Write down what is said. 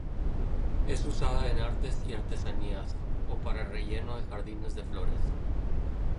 Es usada en artes y artesanías, o para relleno de jardines de flores.